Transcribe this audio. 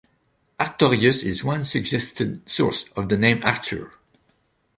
Artorius is one suggested source of the name Arthur.